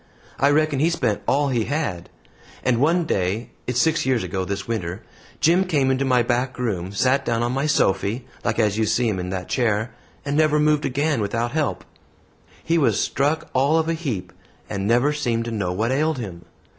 I reckon he spent all he had. And one day it's six years ago this winter Jim came into my back room, sat down on my sofy, like as you see him in that chair, and never moved again without help. He was struck all of a heap, and never seemed to know what ailed him.